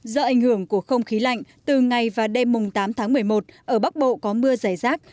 do ảnh hưởng của không khí lạnh từ ngày và đêm tám tháng một mươi một ở bắc bộ có mưa dày rác